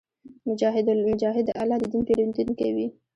مجاهد د الله د دین پېرودونکی وي.